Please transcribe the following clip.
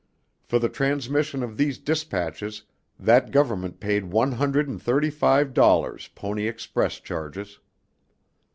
For the transmission of these dispatches that Government paid one hundred and thirty five dollars Pony Express charges.